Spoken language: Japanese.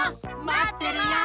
まってるよ！